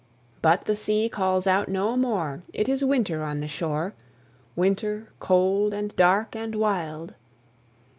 But the sea calls out no more; It is winter on the shore, Winter, cold and dark and wild.